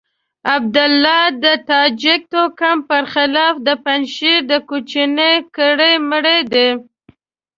عبدالله د تاجک توکم پر خلاف د پنجشير د کوچنۍ کړۍ مرۍ ده.